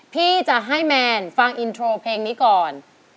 พี่จะให้แมนฟังอินโทรเพลงนี้ก่อน